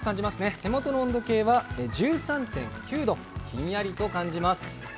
手元の温度計は１３．９度ひんやりと感じます。